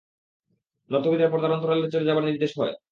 নর্তকীদের পর্দার অন্তরালে চলে যাবার নির্দেশ হয়।